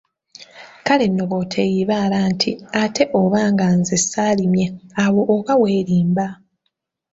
Kale nno bw'oteeyibaala nti ate obanga nze saalimye awo oba weerimba!